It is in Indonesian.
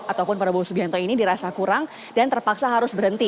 ataupun prabowo subianto ini dirasa kurang dan terpaksa harus berhenti